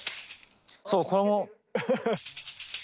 そうこれも。